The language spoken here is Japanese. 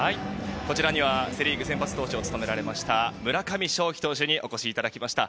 こちらにはセ・リーグ先発投手を務められました、村上頌樹投手にお越しいただきました。